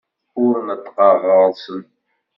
Ur neṭṭqeɣ ɣer-sen.